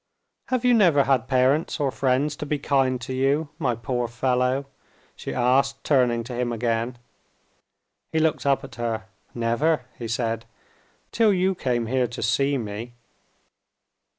Have you never had parents or friends to be kind to you, my poor fellow?" she asked, turning to him again. He looked up at her. "Never," he said, "till you came here to see me."